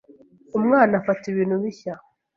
umwana afata ibintu bishya